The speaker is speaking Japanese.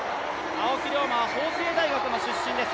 青木選手は法政大学の出身です。